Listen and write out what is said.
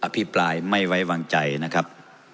พิปรายไม่ไว้วางใจนะครับ